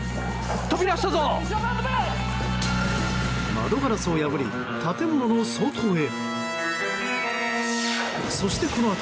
窓ガラスを破り建物の外へ。